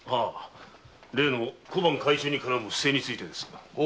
例の小判改鋳に絡む不正についてです。